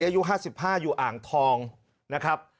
อายุ๕๕อยู่อ่างทองนะครับ